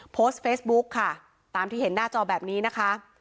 โพสต์เฟซบุ๊กค่ะตามที่เห็นหน้าจอแบบนี้นะคะ